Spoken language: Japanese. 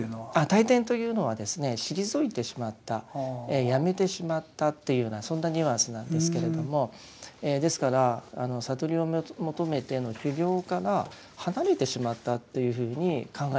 退転というのはですね退いてしまったやめてしまったというようなそんなニュアンスなんですけれどもですから悟りを求めての修行から離れてしまったっていうふうに考えたようなんです。